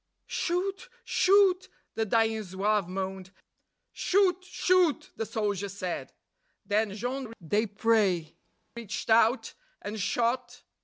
"Shoot! Shoot!" the dying Zouave moaned; "Shoot! Shoot!" the soldiers said. Then Jean Desprez reached out and shot